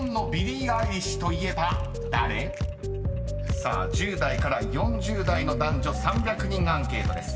［さあ１０代から４０代の男女３００人アンケートです］